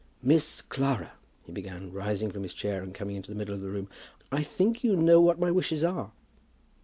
"Miss Clara," he began, rising from his chair, and coming into the middle of the room, "I think you know what my wishes are."